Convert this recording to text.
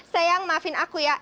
sayang maafin aku ya